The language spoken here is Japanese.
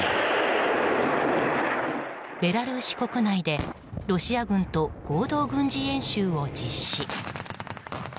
ベラルーシ国内でロシア軍と合同軍事演習を実施。